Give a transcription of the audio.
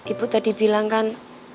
ibu tadi bilang kan